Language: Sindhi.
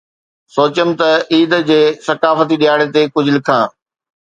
سوچيم ته عيد جي ثقافتي ڏهاڙي تي ڪجهه لکان.